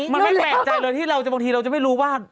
มันไม่แปลกใจเลยที่บางทีเราจะไม่รู้ว่า